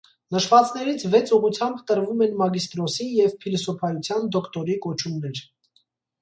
Նշվածներից վեց ուղղությամբ տրվում են մագիստրոսի և փիլիսոփայության դոկտորի կոչումներ։